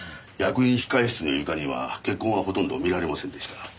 役員控室の床には血痕はほとんど見られませんでした。